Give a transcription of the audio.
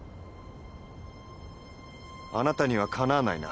あなたにはかなわないな。